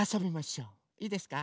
いいですか？